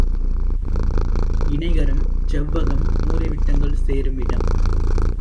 இணைகரம், செவ்வகம் மூலைவிட்டங்கள் சேருமிடம்.